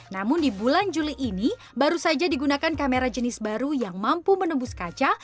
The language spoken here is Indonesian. namun di bulan juli ini baru saja digunakan kamera jenis baru yang mampu menembus kaca